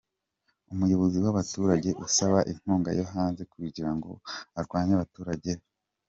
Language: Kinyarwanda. Umuyobozi w’abaturage usaba inkunga yo hanze kugira ngo arwanye abaturage be.